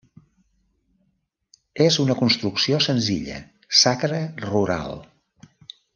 És una construcció senzilla sacra rural.